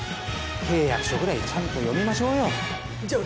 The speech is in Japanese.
契約書ぐらいちゃんと読みましょうよじゃ